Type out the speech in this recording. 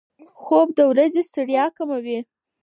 خوب د ورځې ستړیا کموي.